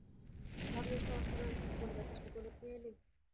ভাবিয়া সহজ সুরে বলিবার চেষ্টা করিল-খেয়ে এলি?